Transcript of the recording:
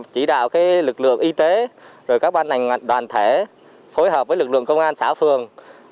chỉ đạo lực lượng y tế các ban đoàn thể phối hợp với lực lượng công an xã phường